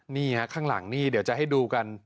นี่ฮะข้างหลังนี่เดี๋ยวจะให้ดูกัน